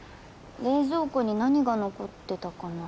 冷蔵庫に何が残ってたかな。